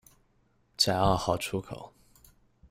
在二号出口